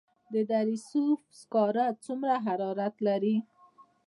د دره صوف سکاره څومره حرارت لري؟